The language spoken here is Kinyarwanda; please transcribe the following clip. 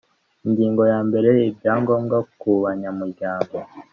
ingingo ya mbere ibyangombwa kubanyamuryango